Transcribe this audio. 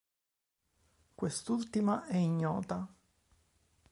Quest'ultima è ignota.